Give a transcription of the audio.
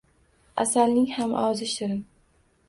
Asalning ham ozi shirin.